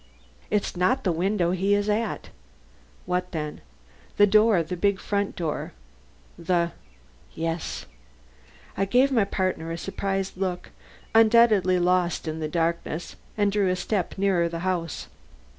"It's not the windows he is at." "What then?" "The door, the big front door." "The " "Yes." I gave my partner a surprised look, undoubtedly lost in the darkness, and drew a step nearer the house.